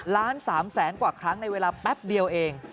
ล้าน๓แสนกว่าครั้งในเวลาแป๊บเดียวเอง